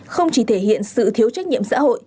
không chỉ thể hiện sự thiếu trách nhiệm xã hội